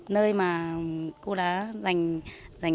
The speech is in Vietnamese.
nơi mà cô đã dành tâm huyết cho mình